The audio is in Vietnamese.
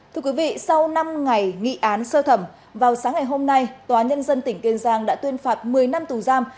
thưa quý vị sau năm ngày nghị án sơ thẩm vào sáng ngày hôm nay tòa nhân dân tỉnh kiên giang đã tuyên phạt một mươi năm tù giam